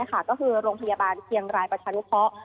ก็คือโรงพยาบาลเชียงรายประชานุเคราะห์